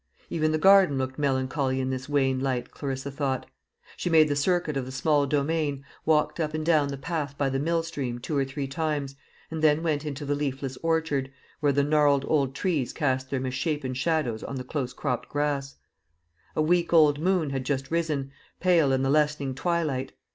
Even the garden looked melancholy in this wan light, Clarissa thought. She made the circuit of the small domain, walked up and down the path by the mill stream two or three times, and then went into the leafless orchard, where the gnarled old trees cast their misshapen shadows on the close cropped grass. A week old moon had just risen, pale in the lessening twilight.